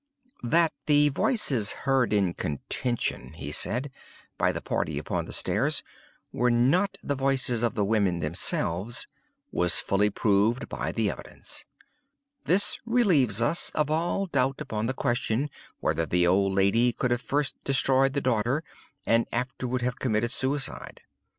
"That the voices heard in contention," he said, "by the party upon the stairs, were not the voices of the women themselves, was fully proved by the evidence. This relieves us of all doubt upon the question whether the old lady could have first destroyed the daughter and afterward have committed suicide.